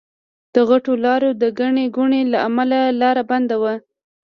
د غټو لاريو د ګڼې ګوڼې له امله لار بنده وه.